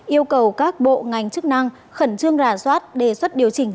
yêu cầu các bộ ngành chức năng khẩn trương rà soát đề xuất điều chỉnh